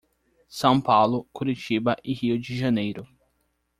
São Paulo, Curitiba e Rio de Janeiro.